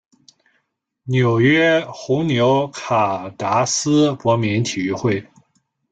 纽约红牛卡达斯国民体育会